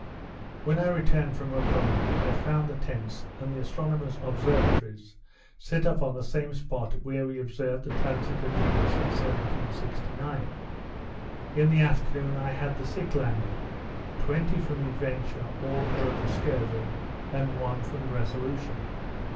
When I returned from Oparree, I found the tents, and the astronomer's observatories, set up on the same spot where we observed the transit of Venus in 1769. In the afternoon, I had the sick landed; twenty from the Adventure, all ill of the scurvy; and one from the Resolution.